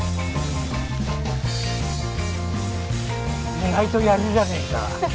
意外とやるじゃねえか。